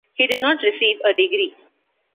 He did not receive a degree.